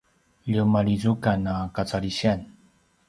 ljemalizukan a kacalisiyan